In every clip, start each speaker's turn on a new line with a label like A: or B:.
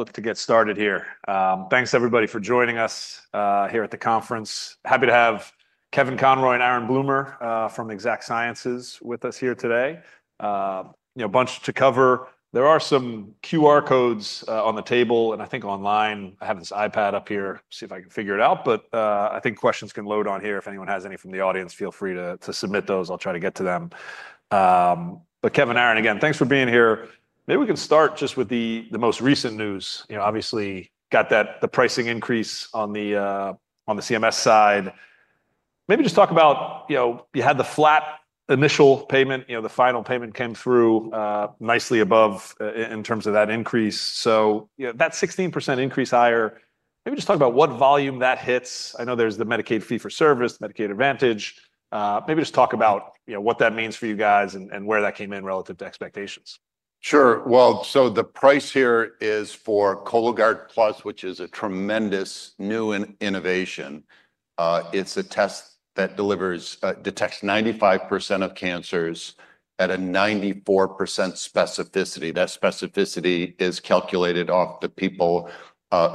A: Look to get started here. Thanks, everybody, for joining us here at the conference. Happy to have Kevin Conroy and Aaron Bloomer from Exact Sciences with us here today. A bunch to cover. There are some QR codes on the table, and I think online. I have this iPad up here. See if I can figure it out. But I think questions can load on here. If anyone has any from the audience, feel free to submit those. I'll try to get to them. But Kevin, Aaron, again, thanks for being here. Maybe we can start just with the most recent news. Obviously, got the pricing increase on the CMS side. Maybe just talk about you had the flat initial payment. The final payment came through nicely above in terms of that increase. So that 16% increase higher, maybe just talk about what volume that hits. I know there's the Medicare e-for-Service, Medicare Advantage. Maybe just talk about what that means for you guys and where that came in relative to expectations.
B: Sure, well, so the price here is for Cologuard Plus, which is a tremendous new innovation. It's a test that detects 95% of cancers at a 94% specificity. That specificity is calculated off the people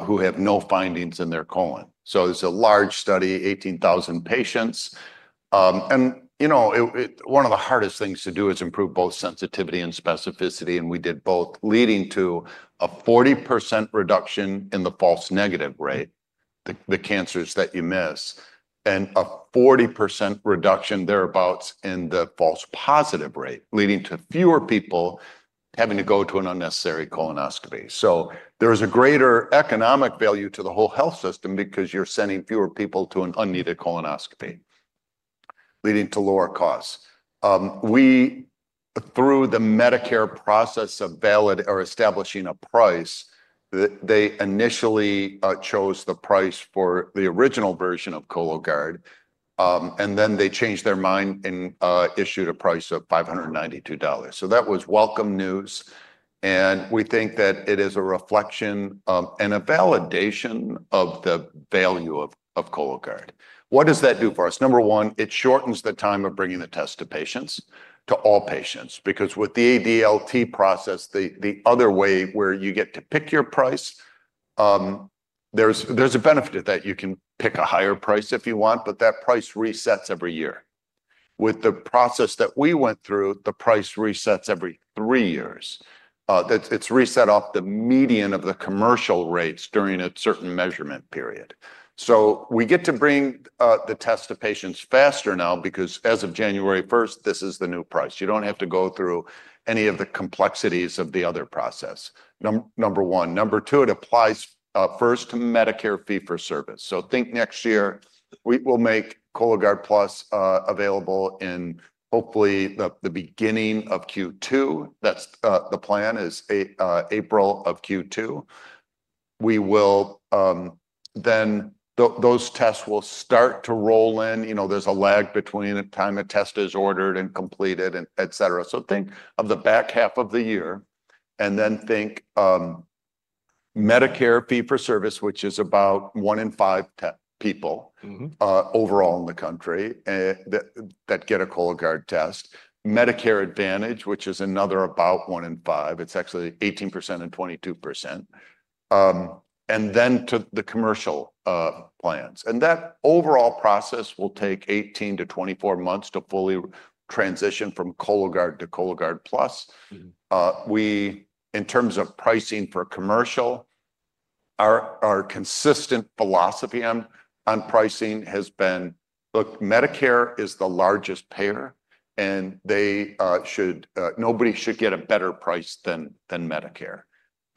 B: who have no findings in their colon, so it's a large study, 18,000 patients, and one of the hardest things to do is improve both sensitivity and specificity, and we did both, leading to a 40% reduction in the false negative rate, the cancers that you miss, and a 40% reduction thereabouts in the false positive rate, leading to fewer people having to go to an unnecessary colonoscopy, so there is a greater economic value to the whole health system because you're sending fewer people to an unneeded colonoscopy, leading to lower costs. We, through the Medicare process of establishing a price, they initially chose the price for the original version of Cologuard. Then they changed their mind and issued a price of $592. That was welcome news. We think that it is a reflection and a validation of the value of Cologuard. What does that do for us? Number one, it shortens the time of bringing the test to patients, to all patients, because with the ADLT process, the other way where you get to pick your price, there's a benefit to that. You can pick a higher price if you want, but that price resets every year. With the process that we went through, the price resets every three years. It's reset off the median of the commercial rates during a certain measurement period. We get to bring the test to patients faster now because, as of January 1st, this is the new price. You don't have to go through any of the complexities of the other process. Number one. Number two, it applies first to Medicare fee-for-service. So think next year, we will make Cologuard Plus available in, hopefully, the beginning of Q2. That's the plan is April of Q2. Then those tests will start to roll in. There's a lag between the time a test is ordered and completed, et cetera. So think of the back half of the year. Then think Medicare fee-for-service, which is about one in five people overall in the country that get a Cologuard test. Medicare Advantage, which is another about one in five. It's actually 18% and 22%. Then to the commercial plans. That overall process will take 18-24 months to fully transition from Cologuard to Cologuard Plus. We, in terms of pricing for commercial, our consistent philosophy on pricing has been, look, Medicare is the largest payer, and nobody should get a better price than Medicare,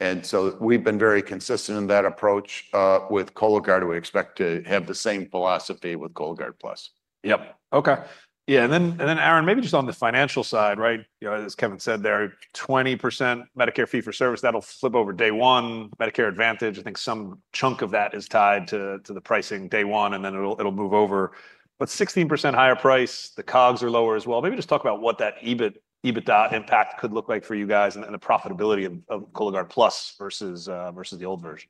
B: and so we've been very consistent in that approach. With Cologuard, we expect to have the same philosophy with Cologuard Plus.
A: And then, Aaron, maybe just on the financial side, right? As Kevin said there, 20% Medicare fee-for-service, that'll flip over day one. Medicare Advantage, I think some chunk of that is tied to the pricing day one, and then it'll move over. But 16% higher price, the COGS are lower as well. Maybe just talk about what that EBITDA impact could look like for you guys and the profitability of Cologuard Plus versus the old version.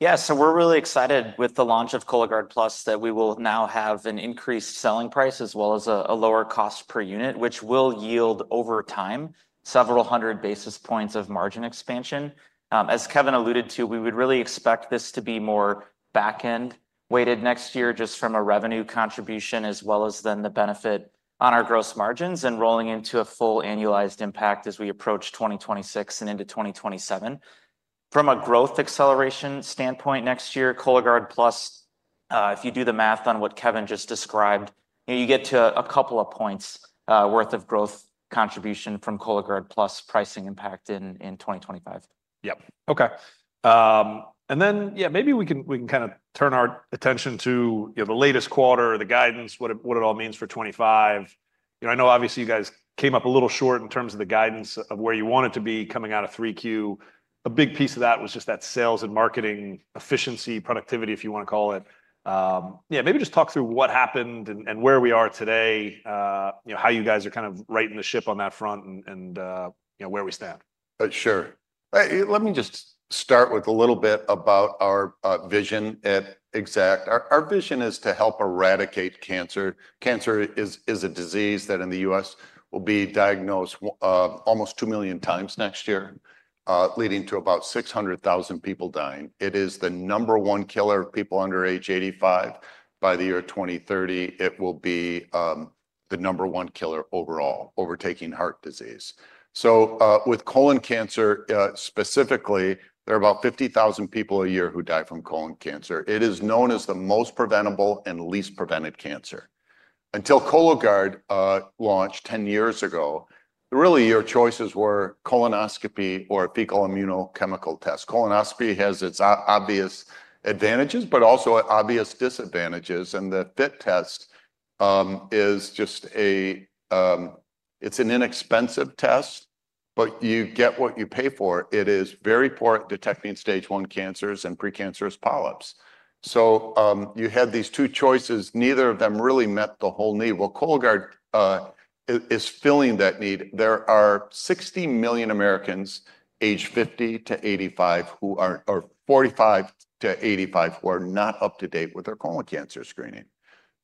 C: Yeah. So we're really excited with the launch of Cologuard Plus that we will now have an increased selling price as well as a lower cost per unit, which will yield over time several hundred basis points of margin expansion. As Kevin alluded to, we would really expect this to be more back-end weighted next year just from a revenue contribution as well as then the benefit on our gross margins and rolling into a full annualized impact as we approach 2026 and into 2027. From a growth acceleration standpoint next year, Cologuard Plus, if you do the math on what Kevin just described, you get to a couple of points worth of growth contribution from Cologuard Plus pricing impact in 2025.
A: Yep. Okay. And then, yeah, maybe we can kind of turn our attention to the latest quarter, the guidance, what it all means for 2025. I know, obviously, you guys came up a little short in terms of the guidance of where you want it to be coming out of 3Q. A big piece of that was just that sales and marketing efficiency, productivity, if you want to call it. Yeah. Maybe just talk through what happened and where we are today, how you guys are kind of righting the ship on that front, and where we stand.
B: Sure. Let me just start with a little bit about our vision at Exact. Our vision is to help eradicate cancer. Cancer is a disease that in the U.S. will be diagnosed almost two million times next year, leading to about 600,000 people dying. It is the number one killer of people under age 85. By the year 2030, it will be the number one killer overall, overtaking heart disease. So with colon cancer specifically, there are about 50,000 people a year who die from colon cancer. It is known as the most preventable and least prevented cancer. Until Cologuard launched 10 years ago, really, your choices were colonoscopy or a fecal immunochemical test. Colonoscopy has its obvious advantages but also obvious disadvantages, and the FIT test is just a, it's an inexpensive test, but you get what you pay for. It is very poor at detecting stage one cancers and precancerous polyps, so you had these two choices. Neither of them really met the whole need, well, Cologuard is filling that need. There are 60 million Americans aged 50 to 85 who are, or 45 to 85 who are not up to date with their colon cancer screening,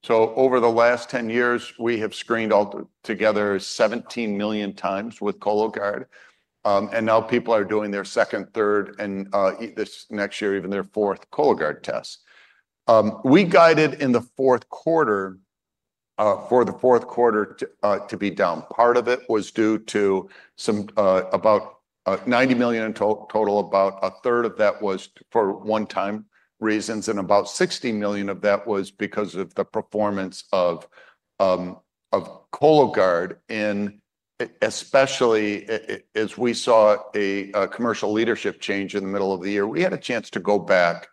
B: so over the last 10 years, we have screened altogether 17 million times with Cologuard, and now people are doing their second, third, and this next year, even their fourth Cologuard test. We guided in the fourth quarter for the fourth quarter to be down. Part of it was due to about $90 million in total. About a third of that was for one-time reasons, and about $60 million of that was because of the performance of Cologuard, especially as we saw a commercial leadership change in the middle of the year. We had a chance to go back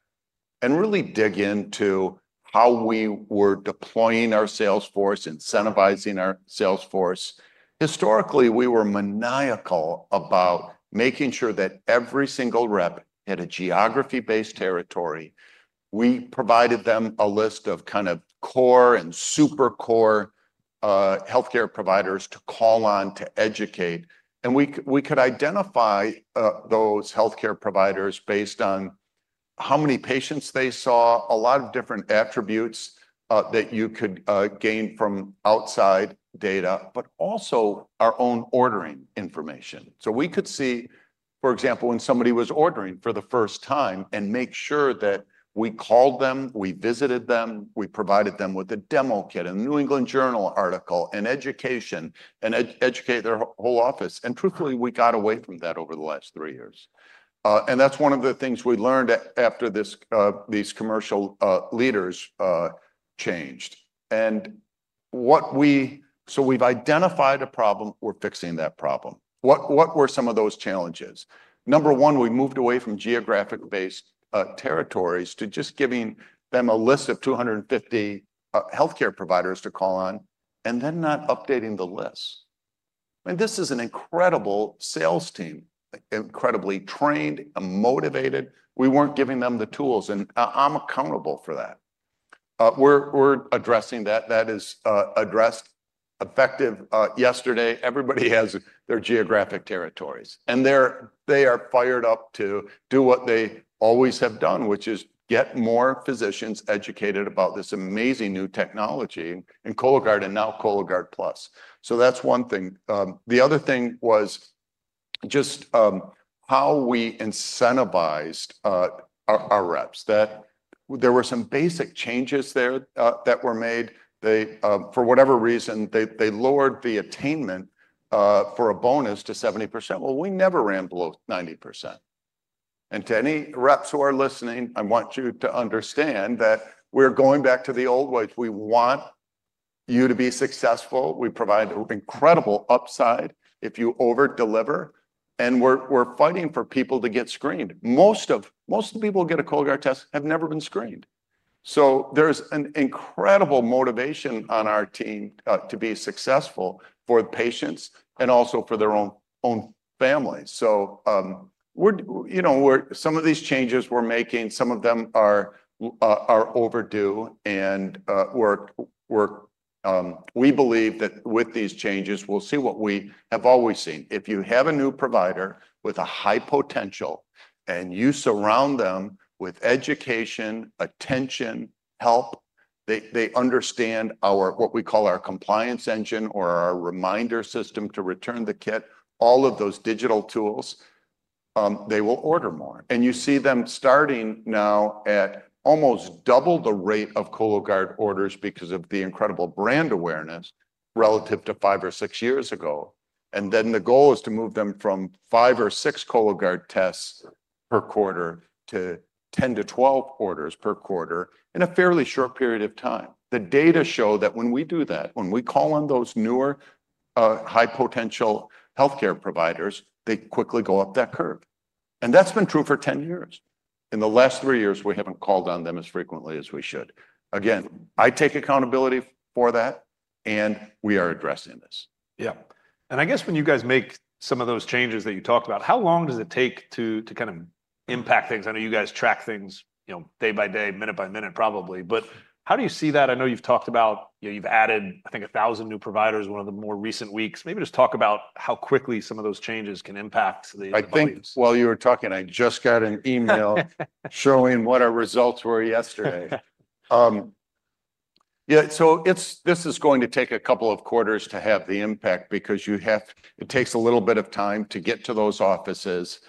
B: and really dig into how we were deploying our sales force, incentivizing our sales force. Historically, we were maniacal about making sure that every single rep had a geography-based territory. We provided them a list of kind of core and super core healthcare providers to call on to educate. And we could identify those healthcare providers based on how many patients they saw, a lot of different attributes that you could gain from outside data, but also our own ordering information. So we could see, for example, when somebody was ordering for the first time and make sure that we called them, we visited them, we provided them with a demo kit, a New England Journal of Medicine article, an education, and educate their whole office. And truthfully, we got away from that over the last three years. That's one of the things we learned after these commercial leaders changed. We've identified a problem. We're fixing that problem. What were some of those challenges? Number one, we moved away from geographic-based territories to just giving them a list of 250 healthcare providers to call on and then not updating the list. I mean, this is an incredible sales team, incredibly trained and motivated. We weren't giving them the tools. I'm accountable for that. We're addressing that. That is addressed effectively yesterday. Everybody has their geographic territories. They are fired up to do what they always have done, which is get more physicians educated about this amazing new technology in Cologuard and now Cologuard Plus. That's one thing. The other thing was just how we incentivized our reps. There were some basic changes there that were made. For whatever reason, they lowered the attainment for a bonus to 70%. Well, we never ran below 90%. And to any reps who are listening, I want you to understand that we're going back to the old ways. We want you to be successful. We provide incredible upside if you overdeliver. And we're fighting for people to get screened. Most of the people who get a Cologuard test have never been screened. So there's an incredible motivation on our team to be successful for the patients and also for their own families. So some of these changes we're making, some of them are overdue. And we believe that with these changes, we'll see what we have always seen. If you have a new provider with a high potential and you surround them with education, attention, help. They understand what we call our compliance engine or our reminder system to return the kit, all of those digital tools. They will order more, and you see them starting now at almost double the rate of Cologuard orders because of the incredible brand awareness relative to five or six years ago, and then the goal is to move them from five or six Cologuard tests per quarter to 10-12 orders per quarter in a fairly short period of time. The data show that when we do that, when we call on those newer high-potential healthcare providers, they quickly go up that curve, and that's been true for 10 years. In the last three years, we haven't called on them as frequently as we should. Again, I take accountability for that, and we are addressing this.
A: Yeah, and I guess when you guys make some of those changes that you talked about, how long does it take to kind of impact things? I know you guys track things day by day, minute by minute, probably. But how do you see that? I know you've talked about. You've added, I think, 1,000 new providers one of the more recent weeks. Maybe just talk about how quickly some of those changes can impact the employees.
B: I think while you were talking, I just got an email showing what our results were yesterday. Yeah. So this is going to take a couple of quarters to have the impact because it takes a little bit of time to get to those offices.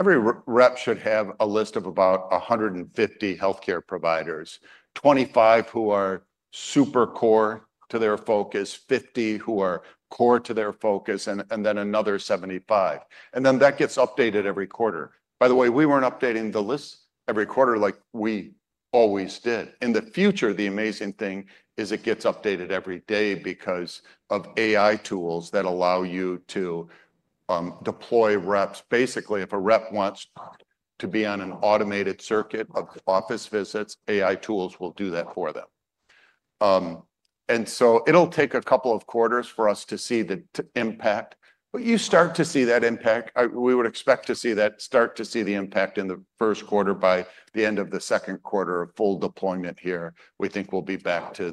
B: Every rep should have a list of about 150 healthcare providers, 25 who are super core to their focus, 50 who are core to their focus, and then another 75, and then that gets updated every quarter. By the way, we weren't updating the list every quarter like we always did. In the future, the amazing thing is it gets updated every day because of AI tools that allow you to deploy reps. Basically, if a rep wants to be on an automated circuit of office visits, AI tools will do that for them. And so it'll take a couple of quarters for us to see the impact. But you start to see that impact. We would expect to start to see the impact in the first quarter by the end of the second quarter of full deployment here. We think we'll be back to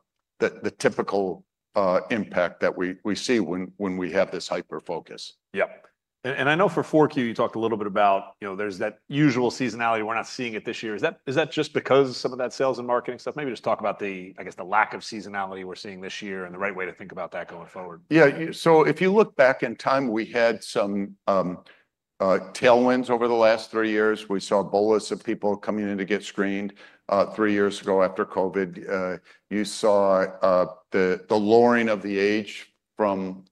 B: the typical impact that we see when we have this hyperfocus.
A: Yep. And I know for 4Q, you talked a little bit about there's that usual seasonality. We're not seeing it this year. Is that just because of some of that sales and marketing stuff? Maybe just talk about the, I guess, the lack of seasonality we're seeing this year and the right way to think about that going forward.
B: Yeah. So if you look back in time, we had some tailwinds over the last three years. We saw a bolus of people coming in to get screened three years ago after COVID. You saw the lowering of the age from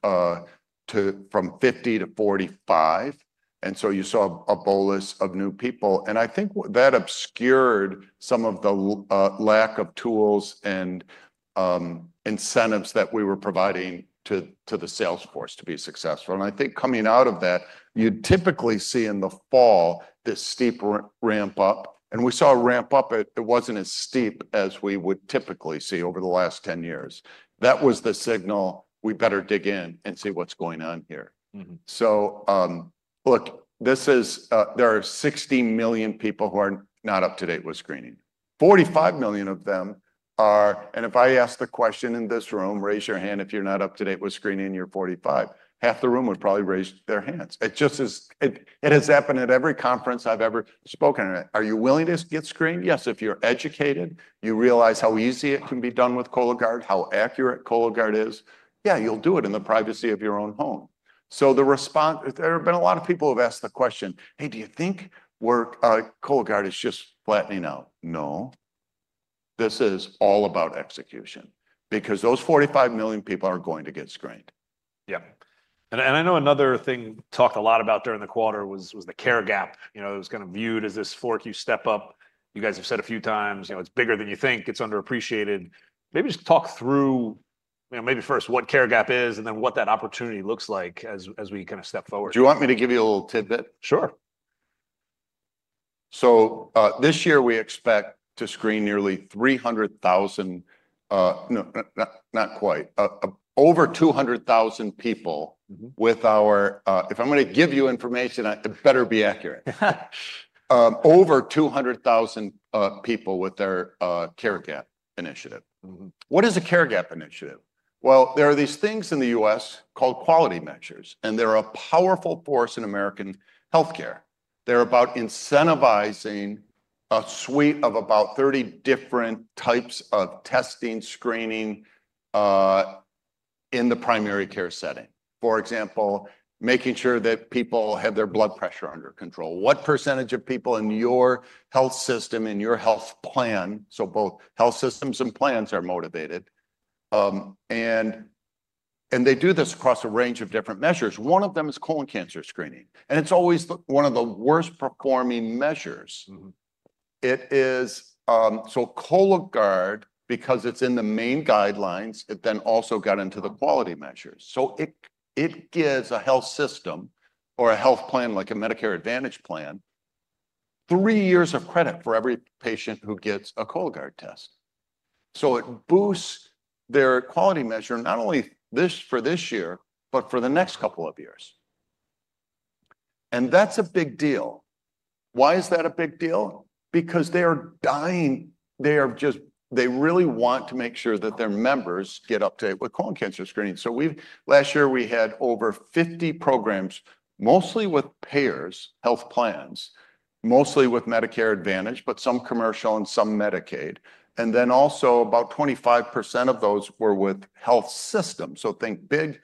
B: 50 to 45. And so you saw a bolus of new people. And I think that obscured some of the lack of tools and incentives that we were providing to the sales force to be successful. And I think coming out of that, you'd typically see in the fall this steep ramp up. And we saw a ramp up. It wasn't as steep as we would typically see over the last 10 years. That was the signal. We better dig in and see what's going on here. So look, there are 60 million people who are not up to date with screening. 45 million of them are. If I ask the question in this room, raise your hand if you're not up to date with screening, you're 45. Half the room would probably raise their hands. It has happened at every conference I've ever spoken at. Are you willing to get screened? Yes. If you're educated, you realize how easy it can be done with Cologuard, how accurate Cologuard is. Yeah, you'll do it in the privacy of your own home. There have been a lot of people who have asked the question, "Hey, do you think Cologuard is just flattening out?" No. This is all about execution because those 45 million people are going to get screened.
A: Yeah. And I know another thing talked a lot about during the quarter was the care gap. It was kind of viewed as this 4Q step up. You guys have said a few times, it's bigger than you think. It's underappreciated. Maybe just talk through maybe first what care gap is and then what that opportunity looks like as we kind of step forward.
B: Do you want me to give you a little tidbit?
A: Sure.
B: So this year, we expect to screen nearly 300,000, not quite, over 200,000 people with our—if I'm going to give you information, it better be accurate—over 200,000 people with their care gap initiative. What is a care gap initiative? Well, there are these things in the U.S. called quality measures. And they're a powerful force in American healthcare. They're about incentivizing a suite of about 30 different types of testing, screening in the primary care setting. For example, making sure that people have their blood pressure under control. What percentage of people in your health system and your health plan, so both health systems and plans, are motivated? And they do this across a range of different measures. One of them is colon cancer screening. And it's always one of the worst-performing measures. So Cologuard, because it's in the main guidelines, it then also got into the quality measures. So it gives a health system or a health plan, like a Medicare Advantage plan, three years of credit for every patient who gets a Cologuard test. So it boosts their quality measure, not only for this year, but for the next couple of years. And that's a big deal. Why is that a big deal? Because they are dying. They really want to make sure that their members get up to date with colon cancer screening. So last year, we had over 50 programs, mostly with payers, health plans, mostly with Medicare Advantage, but some commercial and some Medicaid. And then also about 25% of those were with health systems. So think big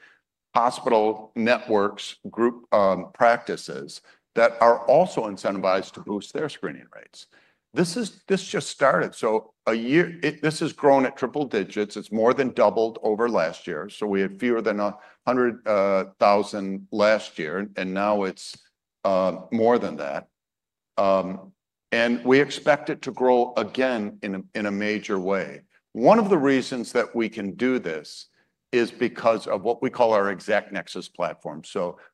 B: hospital networks, group practices that are also incentivized to boost their screening rates. This just started. So this has grown at triple digits. It's more than doubled over last year. We had fewer than 100,000 last year. Now it's more than that. We expect it to grow again in a major way. One of the reasons that we can do this is because of what we call our Exact Nexus platform.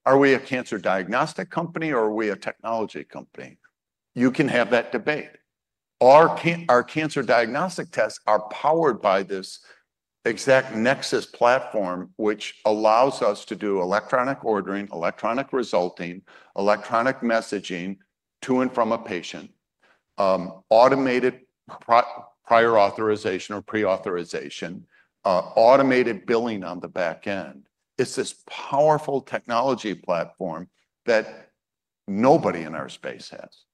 B: Are we a cancer diagnostic company, or are we a technology company? You can have that debate. Our cancer diagnostic tests are powered by this Exact Nexus platform, which allows us to do electronic ordering, electronic resulting, electronic messaging to and from a patient, automated prior authorization or pre-authorization, automated billing on the back end. It's this powerful technology platform that nobody in our space has.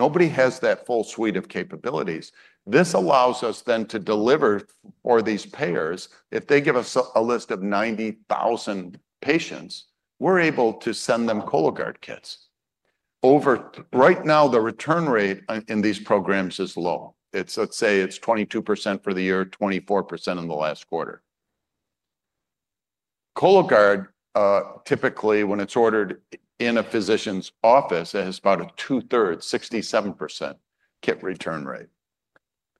B: Nobody has that full suite of capabilities. This allows us then to deliver for these payers. If they give us a list of 90,000 patients, we're able to send them Cologuard kits. Right now, the return rate in these programs is low. Let's say it's 22% for the year, 24% in the last quarter. Cologuard, typically, when it's ordered in a physician's office, it has about a two-thirds, 67% kit return rate.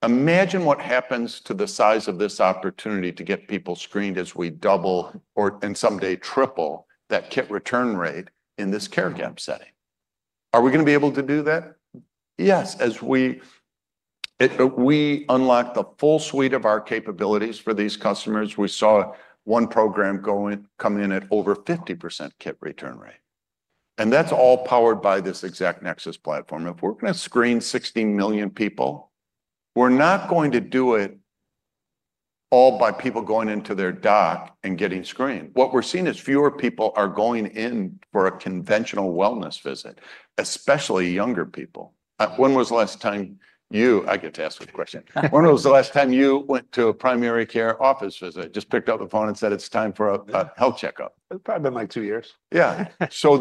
B: Imagine what happens to the size of this opportunity to get people screened as we double or someday triple that kit return rate in this care gap setting. Are we going to be able to do that? Yes. We unlock the full suite of our capabilities for these customers. We saw one program come in at over 50% kit return rate, and that's all powered by this Exact Nexus platform. If we're going to screen 60 million people, we're not going to do it all by people going into their doc and getting screened. What we're seeing is fewer people are going in for a conventional wellness visit, especially younger people. When was the last time you—I get to ask the question—when was the last time you went to a primary care office visit, just picked up the phone and said, "It's time for a health checkup"?
A: It's probably been like two years.
B: Yeah. So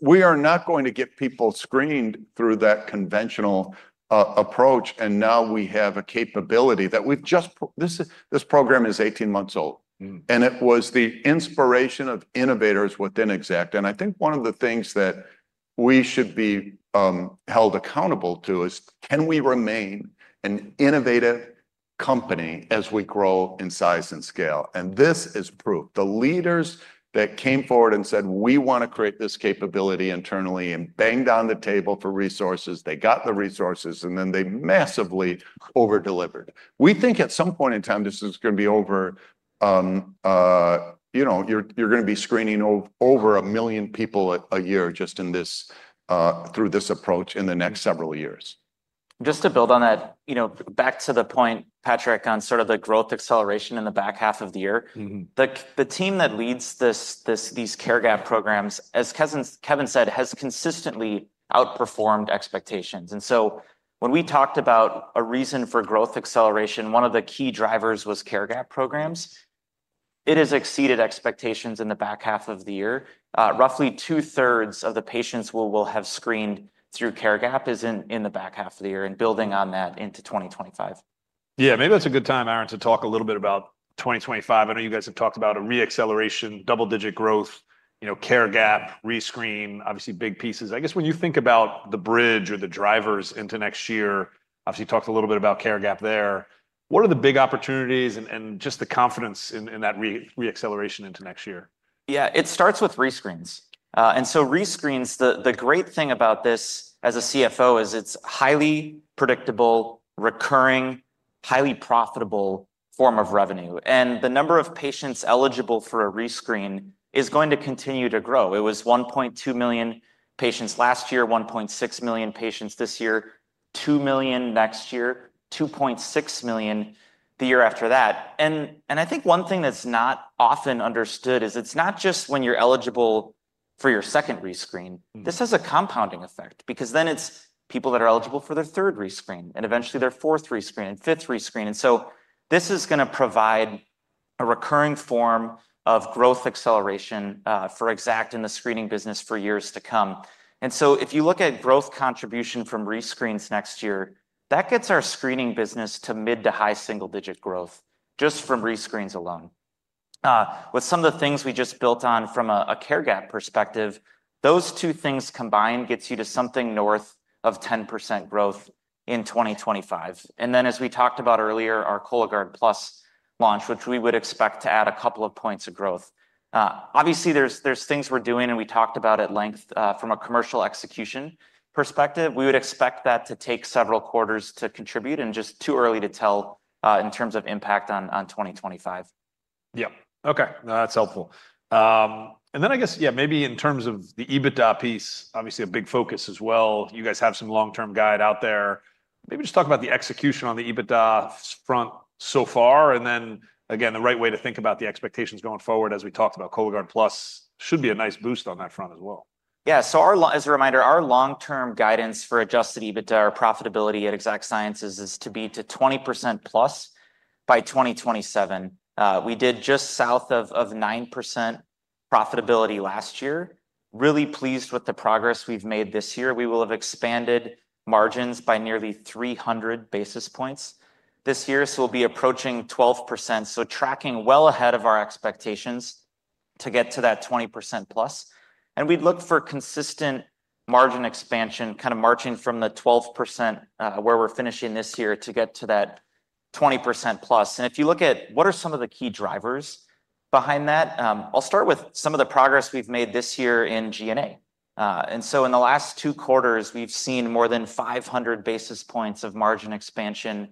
B: we are not going to get people screened through that conventional approach. And now we have a capability that we've just. This program is 18 months old. And it was the inspiration of innovators within Exact. And I think one of the things that we should be held accountable to is, can we remain an innovative company as we grow in size and scale? And this is proof. The leaders that came forward and said, "We want to create this capability internally," and banged on the table for resources, they got the resources, and then they massively overdelivered. We think at some point in time, this is going to be over. You're going to be screening over a million people a year just through this approach in the next several years.
C: Just to build on that, back to the point, Patrick, on sort of the growth acceleration in the back half of the year, the team that leads these care gap programs, as Kevin said, has consistently outperformed expectations, and so when we talked about a reason for growth acceleration, one of the key drivers was care gap programs. It has exceeded expectations in the back half of the year. Roughly two-thirds of the patients who will have screened through care gap is in the back half of the year, and building on that into 2025.
A: Yeah. Maybe that's a good time, Aaron, to talk a little bit about 2025. I know you guys have talked about a reacceleration, double-digit growth, care gap, rescreen, obviously big pieces. I guess when you think about the bridge or the drivers into next year, obviously you talked a little bit about care gap there. What are the big opportunities and just the confidence in that reacceleration into next year?
C: Yeah. It starts with rescreens. And so rescreens, the great thing about this as a CFO is it's highly predictable, recurring, highly profitable form of revenue. And the number of patients eligible for a rescreen is going to continue to grow. It was 1.2 million patients last year, 1.6 million patients this year, 2 million next year, 2.6 million the year after that. And I think one thing that's not often understood is it's not just when you're eligible for your second rescreen. This has a compounding effect because then it's people that are eligible for their third rescreen and eventually their fourth rescreen and fifth rescreen. And so this is going to provide a recurring form of growth acceleration for Exact in the screening business for years to come. And so if you look at growth contribution from rescreens next year, that gets our screening business to mid to high single-digit growth just from rescreens alone. With some of the things we just built on from a care gap perspective, those two things combined get you to something north of 10% growth in 2025. And then, as we talked about earlier, our Cologuard Plus launch, which we would expect to add a couple of points of growth. Obviously, there's things we're doing, and we talked about at length from a commercial execution perspective. We would expect that to take several quarters to contribute, and just too early to tell in terms of impact on 2025.
A: Yep. Okay. That's helpful. And then I guess, yeah, maybe in terms of the EBITDA piece, obviously a big focus as well. You guys have some long-term guide out there. Maybe just talk about the execution on the EBITDA front so far. And then, again, the right way to think about the expectations going forward, as we talked about, Cologuard Plus should be a nice boost on that front as well.
C: Yeah. So as a reminder, our long-term guidance for adjusted EBITDA or profitability at Exact Sciences is to be to 20% plus by 2027. We did just south of 9% profitability last year. Really pleased with the progress we've made this year. We will have expanded margins by nearly 300 basis points this year, so we'll be approaching 12%. So tracking well ahead of our expectations to get to that 20% plus, and we'd look for consistent margin expansion, kind of marching from the 12% where we're finishing this year to get to that 20% plus. And if you look at what are some of the key drivers behind that, I'll start with some of the progress we've made this year in G&A. And so in the last two quarters, we've seen more than 500 basis points of margin expansion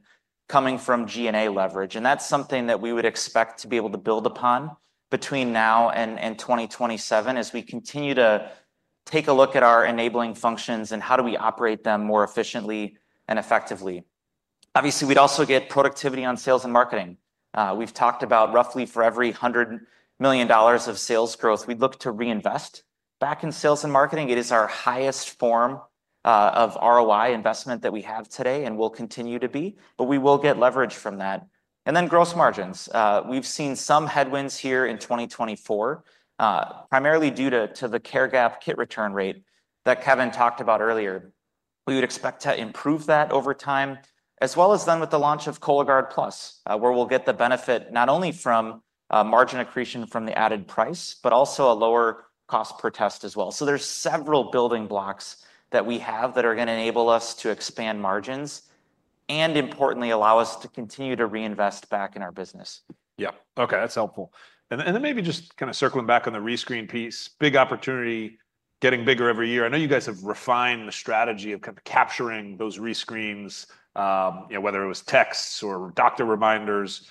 C: coming from G&A leverage. That's something that we would expect to be able to build upon between now and 2027 as we continue to take a look at our enabling functions and how do we operate them more efficiently and effectively. Obviously, we'd also get productivity on sales and marketing. We've talked about roughly for every $100 million of sales growth, we'd look to reinvest back in sales and marketing. It is our highest form of ROI investment that we have today and will continue to be, but we will get leverage from that. Then gross margins. We've seen some headwinds here in 2024, primarily due to the care gap kit return rate that Kevin talked about earlier. We would expect to improve that over time, as well as then with the launch of Cologuard Plus, where we'll get the benefit not only from margin accretion from the added price, but also a lower cost per test as well. So there's several building blocks that we have that are going to enable us to expand margins and, importantly, allow us to continue to reinvest back in our business.
A: Yeah. Okay. That's helpful, and then maybe just kind of circling back on the rescreen piece, big opportunity getting bigger every year. I know you guys have refined the strategy of kind of capturing those rescreens, whether it was texts or doctor reminders.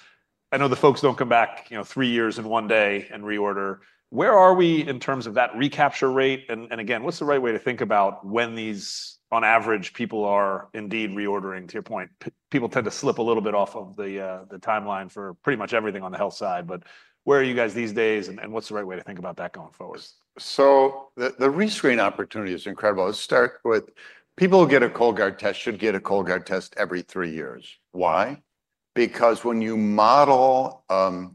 A: I know the folks don't come back three years in one day and reorder. Where are we in terms of that recapture rate, and again, what's the right way to think about when these, on average, people are indeed reordering? To your point, people tend to slip a little bit off of the timeline for pretty much everything on the health side, but where are you guys these days, and what's the right way to think about that going forward?
B: So the rescreen opportunity is incredible. Let's start with people who get a Cologuard test should get a Cologuard test every three years. Why? Because when you model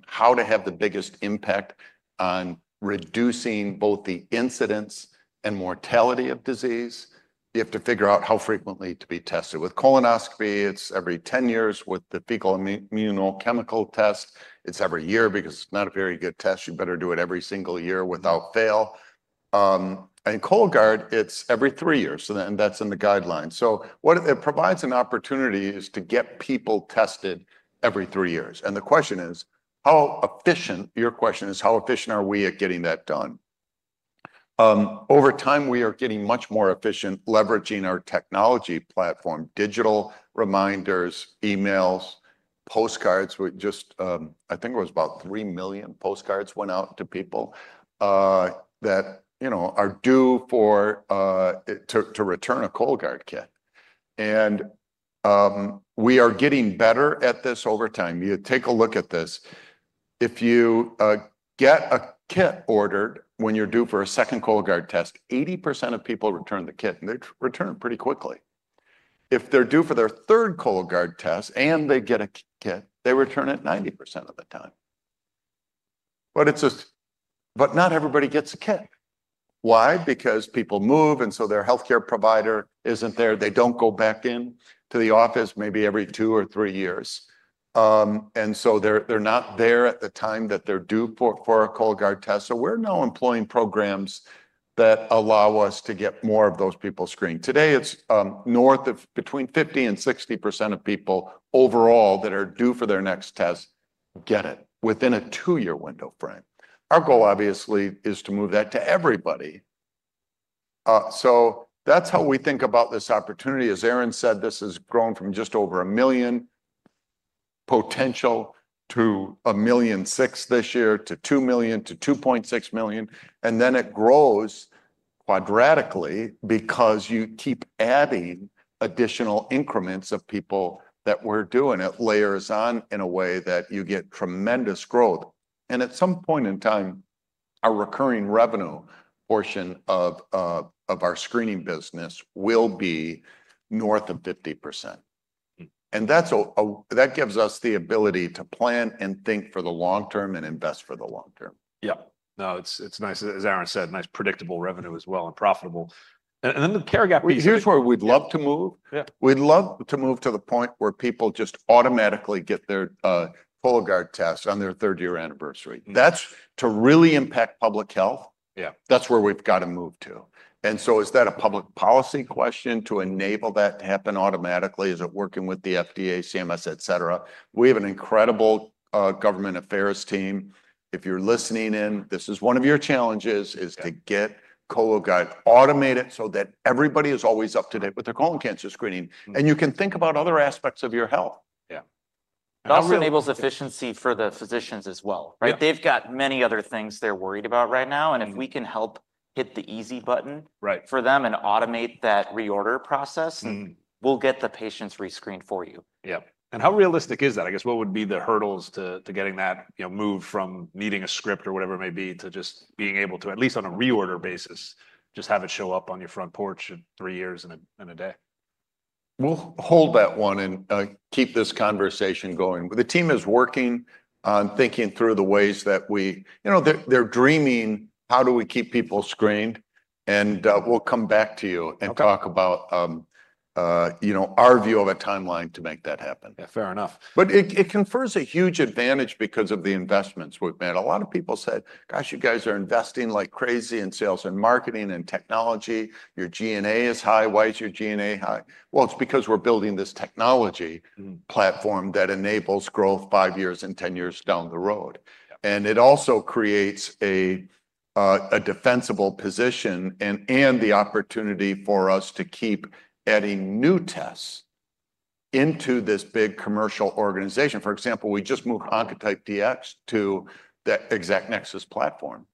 B: how to have the biggest impact on reducing both the incidence and mortality of disease, you have to figure out how frequently to be tested. With colonoscopy, it's every 10 years. With the fecal immunochemical test, it's every year because it's not a very good test. You better do it every single year without fail. And Cologuard, it's every three years. And that's in the guidelines. So what it provides an opportunity is to get people tested every three years. And the question is, how efficient? Your question is, how efficient are we at getting that done? Over time, we are getting much more efficient leveraging our technology platform, digital reminders, emails, postcards. I think it was about three million postcards went out to people that are due to return a Cologuard kit. We are getting better at this over time. You take a look at this. If you get a kit ordered when you're due for a second Cologuard test, 80% of people return the kit, and they return it pretty quickly. If they're due for their third Cologuard test and they get a kit, they return it 90% of the time. But not everybody gets a kit. Why? Because people move, and so their healthcare provider isn't there. They don't go back into the office maybe every two or three years. They're not there at the time that they're due for a Cologuard test. We're now employing programs that allow us to get more of those people screened. Today, it's north of between 50%-60% of people overall that are due for their next test get it within a two-year window frame. Our goal, obviously, is to move that to everybody. So that's how we think about this opportunity. As Aaron said, this has grown from just over a million potential to a million six this year to 2 million to 2.6 million. And then it grows quadratically because you keep adding additional increments of people that we're doing. It layers on in a way that you get tremendous growth. And at some point in time, our recurring revenue portion of our screening business will be north of 50%. And that gives us the ability to plan and think for the long term and invest for the long term.
A: Yeah. No, it's nice, as Aaron said, nice predictable revenue as well and profitable. And then the care gap piece.
B: Here's where we'd love to move. We'd love to move to the point where people just automatically get their Cologuard test on their third-year anniversary. That's to really impact public health. That's where we've got to move to, and so is that a public policy question to enable that to happen automatically? Is it working with the FDA, CMS, etc.? We have an incredible government affairs team. If you're listening in, this is one of your challenges is to get Cologuard automated so that everybody is always up to date with their colon cancer screening, and you can think about other aspects of your health.
C: It also enables efficiency for the physicians as well. They've got many other things they're worried about right now. And if we can help hit the easy button for them and automate that reorder process, we'll get the patients rescreened for you.
A: Yeah, and how realistic is that? I guess what would be the hurdles to getting that move from needing a script or whatever it may be to just being able to, at least on a reorder basis, just have it show up on your front porch in three years and a day?
B: We'll hold that one and keep this conversation going. The team is working on thinking through the ways that we're dreaming, how do we keep people screened, and we'll come back to you and talk about our view of a timeline to make that happen.
A: Yeah, fair enough.
B: But it confers a huge advantage because of the investments we've made. A lot of people said, "Gosh, you guys are investing like crazy in sales and marketing and technology. Your G&A is high. Why is your G&A high?" Well, it's because we're building this technology platform that enables growth five years and 10 years down the road. And it also creates a defensible position and the opportunity for us to keep adding new tests into this big commercial organization. For example, we just moved Oncotype DX to the Exact Nexus platform,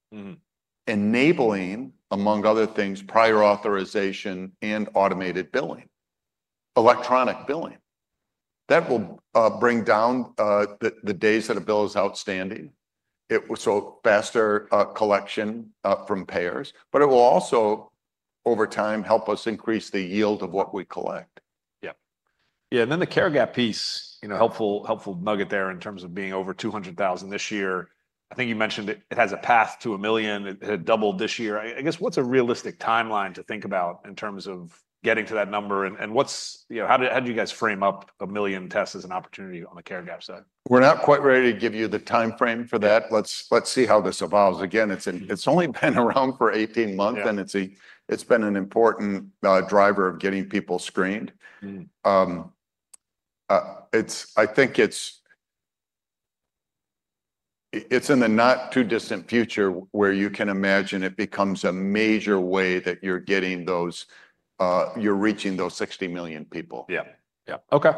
B: enabling, among other things, prior authorization and automated billing, electronic billing. That will bring down the days that a bill is outstanding. It was for faster collection from payers, but it will also, over time, help us increase the yield of what we collect.
A: Yeah. Yeah. And then the care gap piece, helpful nugget there in terms of being over 200,000 this year. I think you mentioned it has a path to a million. It had doubled this year. I guess what's a realistic timeline to think about in terms of getting to that number? And how did you guys frame up a million tests as an opportunity on the care gap side?
B: We're not quite ready to give you the timeframe for that. Let's see how this evolves. Again, it's only been around for 18 months, and it's been an important driver of getting people screened. I think it's in the not-too-distant future where you can imagine it becomes a major way that you're reaching those 60 million people.
A: Yeah. Yeah. Okay,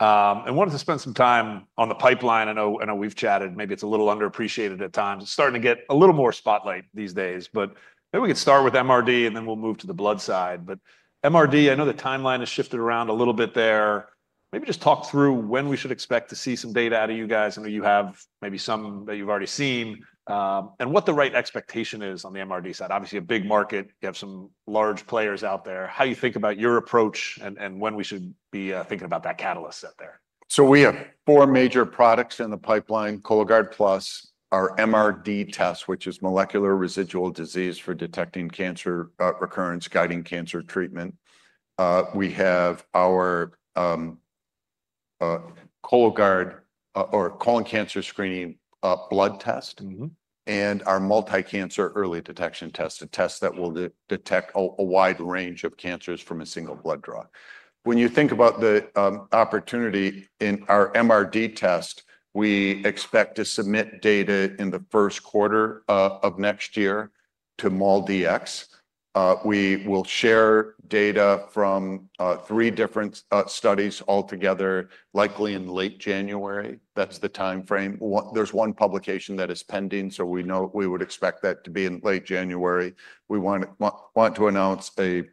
A: and wanted to spend some time on the pipeline. I know we've chatted. Maybe it's a little underappreciated at times. It's starting to get a little more spotlight these days. But maybe we could start with MRD, and then we'll move to the blood side. But MRD, I know the timeline has shifted around a little bit there. Maybe just talk through when we should expect to see some data out of you guys. I know you have maybe some that you've already seen and what the right expectation is on the MRD side. Obviously, a big market. You have some large players out there. How do you think about your approach and when we should be thinking about that catalyst set there?
B: So we have four major products in the pipeline: Cologuard Plus, our MRD test, which is molecular residual disease for detecting cancer recurrence, guiding cancer treatment. We have our Cologuard or colon cancer screening blood test and our multi-cancer early detection test, a test that will detect a wide range of cancers from a single blood draw. When you think about the opportunity in our MRD test, we expect to submit data in the first quarter of next year to MolDX. We will share data from three different studies altogether, likely in late January. That's the timeframe. There's one publication that is pending, so we would expect that to be in late January. We want to announce these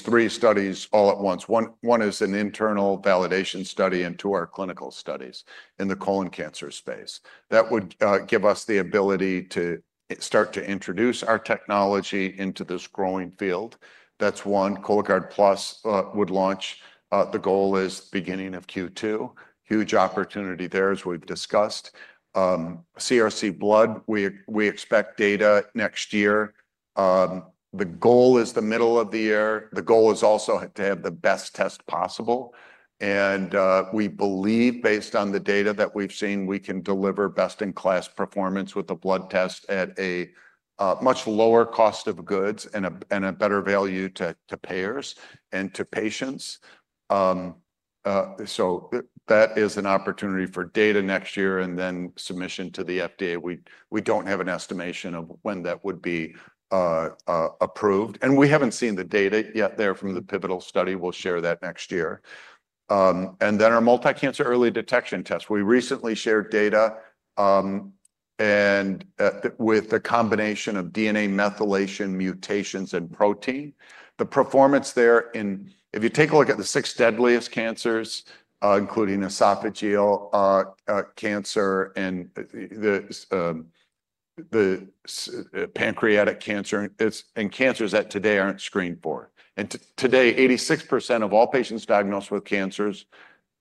B: three studies all at once. One is an internal validation study into our clinical studies in the colon cancer space. That would give us the ability to start to introduce our technology into this growing field. That's one. Cologuard Plus would launch. The goal is beginning of Q2. Huge opportunity there, as we've discussed. CRC Blood, we expect data next year. The goal is the middle of the year. The goal is also to have the best test possible, and we believe, based on the data that we've seen, we can deliver best-in-class performance with a blood test at a much lower cost of goods and a better value to payers and to patients, so that is an opportunity for data next year and then submission to the FDA. We don't have an estimation of when that would be approved, and we haven't seen the data yet there from the pivotal study. We'll share that next year, and then our multi-cancer early detection test. We recently shared data with a combination of DNA methylation mutations and protein. The performance there in, if you take a look at the six deadliest cancers, including esophageal cancer and the pancreatic cancer and cancers that today aren't screened for. And today, 86% of all patients diagnosed with cancers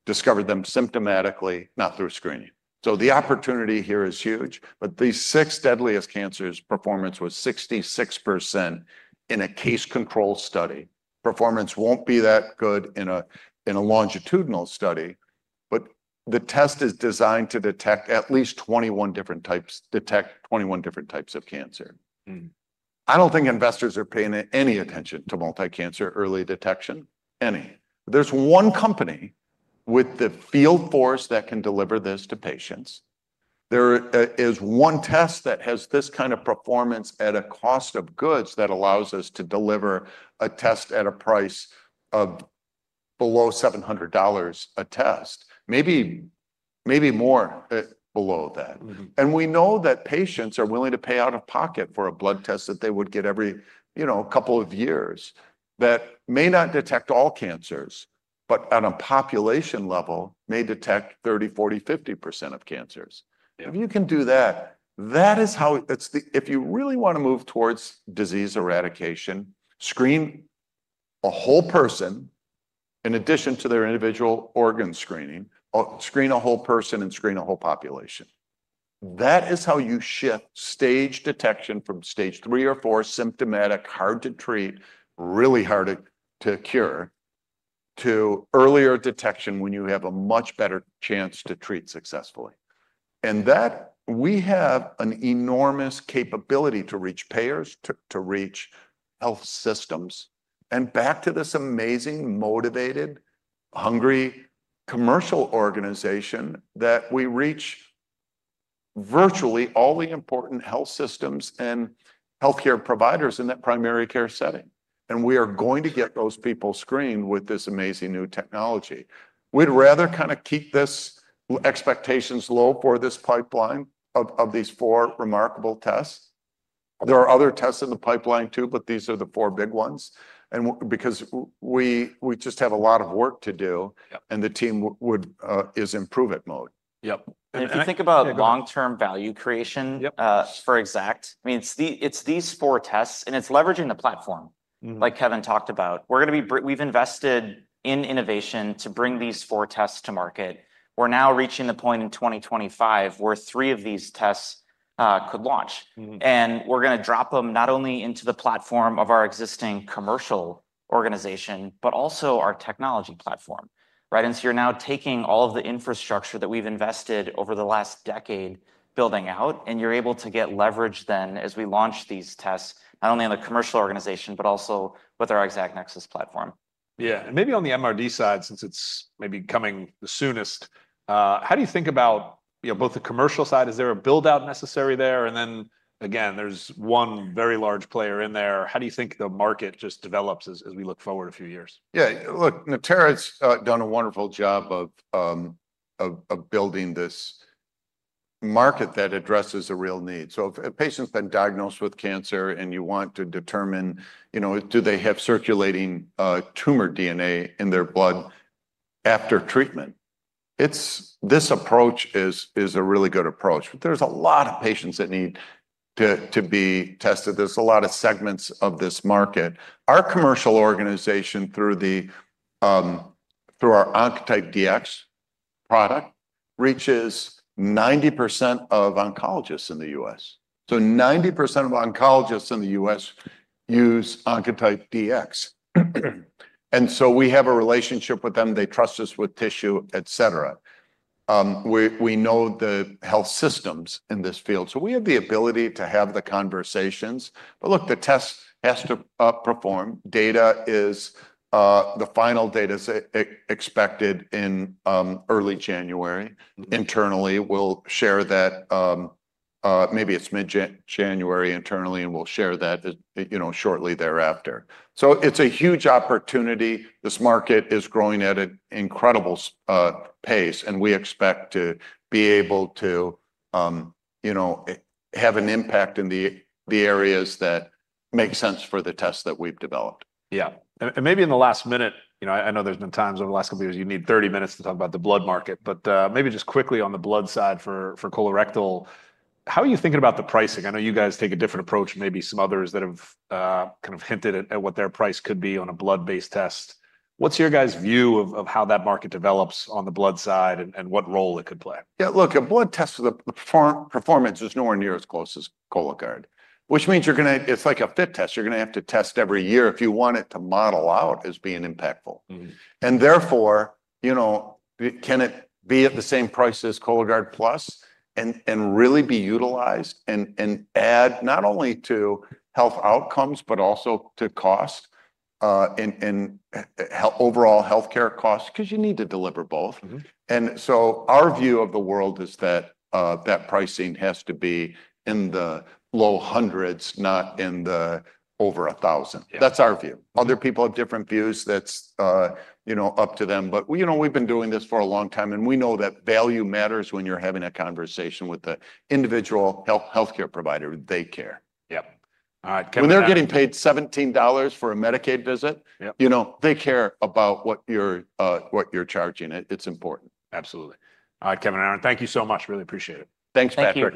B: discovered them symptomatically, not through screening. So the opportunity here is huge. But these six deadliest cancers, performance was 66% in a case control study. Performance won't be that good in a longitudinal study, but the test is designed to detect at least 21 different types of cancer. I don't think investors are paying any attention to multi-cancer early detection, any. There's one company with the field force that can deliver this to patients. There is one test that has this kind of performance at a cost of goods that allows us to deliver a test at a price of below $700 a test, maybe more below that, and we know that patients are willing to pay out of pocket for a blood test that they would get every couple of years that may not detect all cancers, but on a population level, may detect 30%, 40%, 50% of cancers. If you can do that, that is how, if you really want to move towards disease eradication, screen a whole person in addition to their individual organ screening, screen a whole person and screen a whole population. That is how you shift stage detection from stage three or four, symptomatic, hard to treat, really hard to cure, to earlier detection when you have a much better chance to treat successfully. That we have an enormous capability to reach payers, to reach health systems, and back to this amazing, motivated, hungry commercial organization that we reach virtually all the important health systems and healthcare providers in that primary care setting. We are going to get those people screened with this amazing new technology. We'd rather kind of keep these expectations low for this pipeline of these four remarkable tests. There are other tests in the pipeline too, but these are the four big ones because we just have a lot of work to do, and the team is in prove-it mode.
C: Yep. And if you think about long-term value creation for Exact, I mean, it's these four tests, and it's leveraging the platform, like Kevin talked about. We've invested in innovation to bring these four tests to market. We're now reaching the point in 2025 where three of these tests could launch. And we're going to drop them not only into the platform of our existing commercial organization, but also our technology platform. Right? And so you're now taking all of the infrastructure that we've invested over the last decade, building out, and you're able to get leverage then as we launch these tests, not only on the commercial organization, but also with our Exact Nexus platform.
A: Yeah. And maybe on the MRD side, since it's maybe coming the soonest, how do you think about both the commercial side? Is there a build-out necessary there? And then, again, there's one very large player in there. How do you think the market just develops as we look forward a few years?
B: Yeah. Look, Natera's done a wonderful job of building this market that addresses a real need. So if a patient's been diagnosed with cancer and you want to determine, do they have circulating tumor DNA in their blood after treatment, this approach is a really good approach. But there's a lot of patients that need to be tested. There's a lot of segments of this market. Our commercial organization, through our Oncotype DX product, reaches 90% of oncologists in the U.S. So 90% of oncologists in the U.S. use Oncotype DX. And so we have a relationship with them. They trust us with tissue, etc. We know the health systems in this field. So we have the ability to have the conversations. But look, the test has to perform. The final data is expected in early January. Internally, we'll share that. Maybe it's mid-January internally, and we'll share that shortly thereafter. So it's a huge opportunity. This market is growing at an incredible pace, and we expect to be able to have an impact in the areas that make sense for the tests that we've developed.
A: Yeah, and maybe in the last minute. I know there's been times over the last couple of years you need 30 minutes to talk about the blood market, but maybe just quickly on the blood side for colorectal, how are you thinking about the pricing? I know you guys take a different approach, maybe some others that have kind of hinted at what their price could be on a blood-based test. What's your guys' view of how that market develops on the blood side and what role it could play?
B: Yeah. Look, a blood test with the performance is nowhere near as close as Cologuard, which means you're going to. It's like a fit test. You're going to have to test every year if you want it to model out as being impactful. And therefore, can it be at the same price as Cologuard Plus and really be utilized and add not only to health outcomes, but also to cost and overall healthcare costs? Because you need to deliver both. And so our view of the world is that that pricing has to be in the low hundreds, not in the over a thousand. That's our view. Other people have different views. That's up to them. But we've been doing this for a long time, and we know that value matters when you're having a conversation with the individual healthcare provider. They care.
A: Yep. All right.
B: When they're getting paid $17 for a Medicaid visit, they care about what you're charging. It's important.
A: Absolutely. All right, Kevin Conroy, thank you so much. Really appreciate it.
B: Thanks, Patrick.